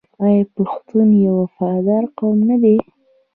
آیا پښتون یو وفادار قوم نه دی؟